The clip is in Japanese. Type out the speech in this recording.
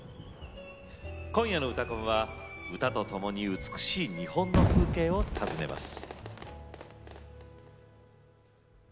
今夜の「うたコン」は歌とともに美しい日本の風景を訪ねます。